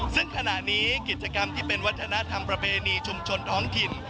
ซึ่งขณะนี้กิจกรรมที่เป็นวัฒนธรรมประเพณีชุมชนท้องถิ่น